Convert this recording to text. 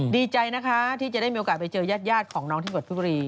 ดีใจนะคะที่จะได้มีโอกาสไปเจอยาดของน้องที่บทบุรี